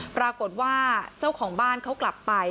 ปรากฏว่าเจ้าของบ้านเขากลับไป